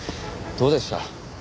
どうでした？